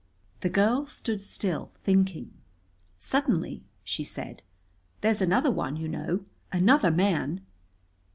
The girl stood still, thinking. Suddenly she said "There's another one, you know. Another man."